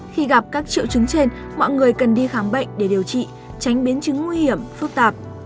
khi gặp các triệu chứng trên mọi người cần đi khám bệnh để điều trị tránh biến chứng nguy hiểm phức tạp